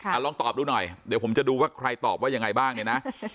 เอาลองตอบดูหน่อยเดี๋ยวผมจะดูว่าใครตอบว่ายังไงบ้างเนี่ยนะ